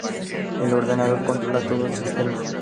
El ordenador controla todo el sistema.